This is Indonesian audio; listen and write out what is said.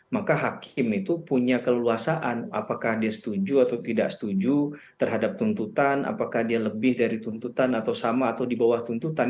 maka hakim itu punya keleluasaan apakah dia setuju atau tidak setuju terhadap tuntutan apakah dia lebih dari tuntutan atau sama atau di bawah tuntutan